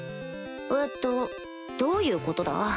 えっとどういうことだ？